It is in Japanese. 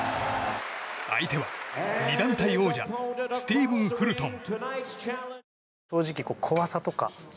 相手は２団体王者スティーブン・フルトン。